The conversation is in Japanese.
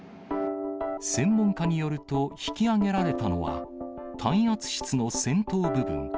専門家によると、引き揚げられたのは、耐圧室の先頭部分。